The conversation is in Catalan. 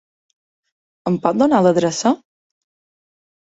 Em pot donar la adreça?